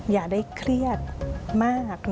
อย่าได้เครียดมาก